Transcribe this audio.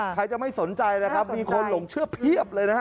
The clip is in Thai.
ใครจะไม่สนใจนะครับมีคนหลงเชื่อเพียบเลยนะฮะ